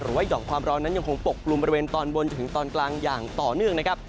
หย่อมความร้อนนั้นยังคงปกลุ่มบริเวณตอนบนจนถึงตอนกลางอย่างต่อเนื่องนะครับ